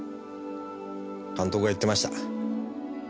監督が言ってました。